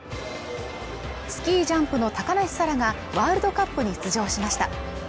スキージャンプの高梨沙羅がワールドカップに出場しました